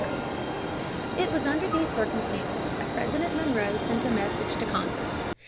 The Monroe Doctrine, 1823. It was under these circumstances that President Monroe sent a message to Congress.